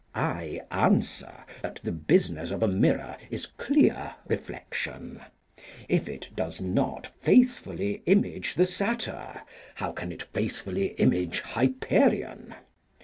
I answer that the business of a mirror is clear reflection: if it does not faithfully image the Satyr, how can it faithfully image Hyperion?